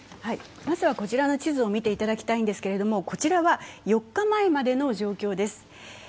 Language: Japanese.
まずはこちらの地図を見ていただきたいんですがこちらは４日前までの状況です。